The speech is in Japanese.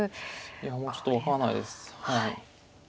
いやもうちょっと分からないです。